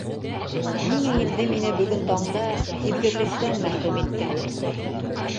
Ниңә инде мине бөгөн танда һиҙгерлектән мәхрүм иттең?